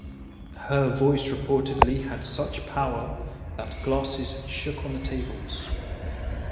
Her voice reportedly had such power that glasses shook on tables.